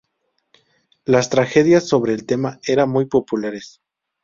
Las tragedias sobre el tema eran muy populares.